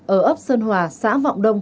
ở ấp sơn hòa xã vọng đông